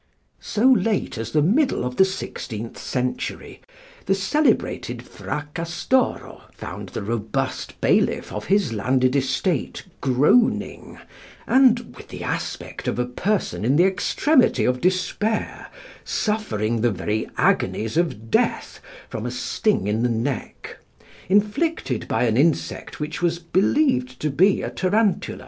So late as the middle of the sixteenth century, the celebrated Fracastoro found the robust bailiff of his landed estate groaning, and, with the aspect of a person in the extremity of despair, suffering the very agonies of death from a sting in the neck, inflicted by an insect which was believed to be a tarantula.